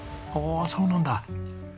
ああそうなんだ。